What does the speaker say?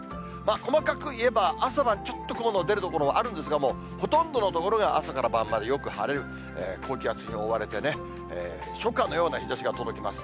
細かくいえば、朝晩ちょっと雲の出る所もあるんですが、もうほとんどの所が朝から晩までよく晴れる、高気圧に覆われてね、初夏のような日ざしが届きます。